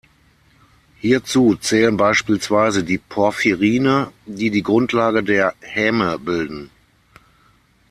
Hierzu zählen beispielsweise die Porphyrine, die die Grundlage der Häme bilden.